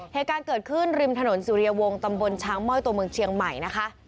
เหตุการณ์เกิดขึ้นริมถนนสุริยวงตำบลช้างม่อยตัวเมืองเชียงใหม่นะคะ